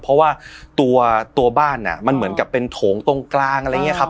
เพราะว่าตัวบ้านมันเหมือนกับเป็นโถงตรงกลางอะไรอย่างนี้ครับ